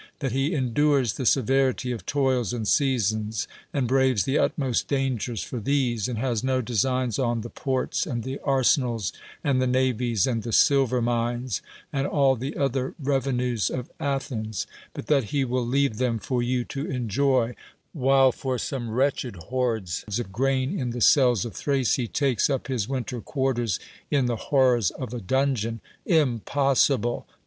; that he endures the severity of toils and seasons, and braves the utmost dan gers for these, and has no designs on the ports, and the arsenals, and the navies, and the silver mines, and all the other revenues of Athens, 132 DEMOSTHENES but that lie Avill leave llieni for you to enjoy; while for some Avretehed hoards of ccrain in the cells of Thrace he tal^es u}) his winter quarters in the horrors of a dungeon. Impossible!